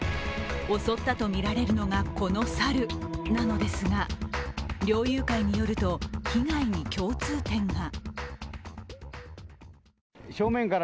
襲ったとみられるのが、この猿なのですが、猟友会によると、被害に共通点が。